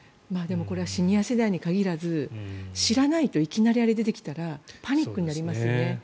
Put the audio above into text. これはシニア世代に限らず知らないといきなりあれが出てきたらパニックになりますよね。